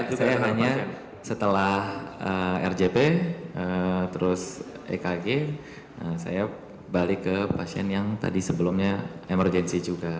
saya hanya setelah rjp terus ekg saya balik ke pasien yang tadi sebelumnya emergensi juga